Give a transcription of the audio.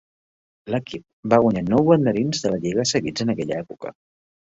L'equip va guanyar nou banderins de la lliga seguits en aquella època.